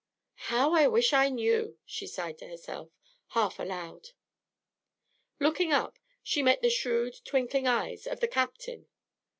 "How I wish I knew!" she sighed to herself, half aloud. Looking up, she met the shrewd, twinkling eyes of the Captain.